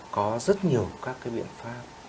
đều có các cái biện pháp